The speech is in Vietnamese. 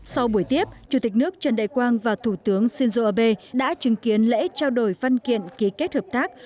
sau buổi tiếp chủ tịch nước trần đại quang và thủ tướng shinzo abe đã chứng kiến lễ trao đổi văn kiện ký kết hợp tác